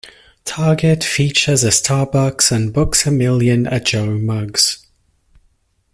Target features a Starbucks and Books-A-Million a Joe Muggs.